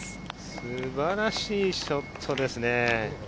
素晴らしいショットですね。